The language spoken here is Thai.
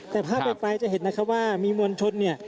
แต่ภาพไกลจะเห็นนะครับว่ามีมวลชนเนี่ย